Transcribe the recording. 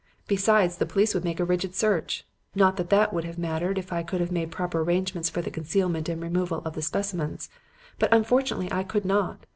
Besides, the police would make a rigid search; not that that would have mattered if I could have made proper arrangements for the concealment and removal of the specimens. But unfortunately I could not.